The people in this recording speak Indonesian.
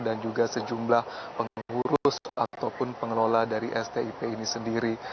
juga sejumlah pengurus ataupun pengelola dari stip ini sendiri